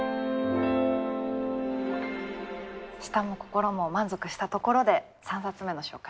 舌も心も満足したところで３冊目の紹介